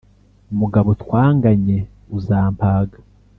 mugabo twanganye uzampaga.